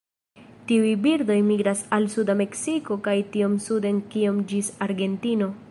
Tiuj birdoj migras al suda Meksiko kaj tiom suden kiom ĝis Argentino.